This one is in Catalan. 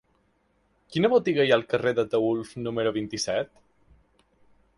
Quina botiga hi ha al carrer d'Ataülf número vint-i-set?